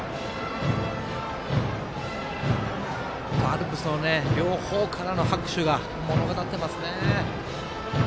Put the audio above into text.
アルプスの両方からの拍手が物語ってますね。